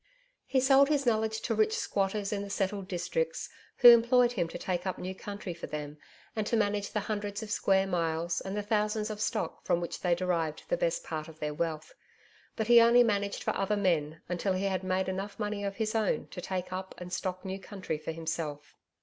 He sold his knowledge to rich squatters in the settled districts who employed him to take up new country for them and to manage the hundreds of square miles and the thousands of stock from which they derived the best part of their wealth. But he only managed for other men until he had made enough money of his own to take up and stock new country for himself.